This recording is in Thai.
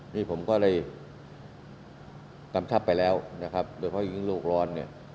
นี่ผมก็เลยกำชับไปแล้วโดยเพราะว่าอย่างงี้โลกร้อน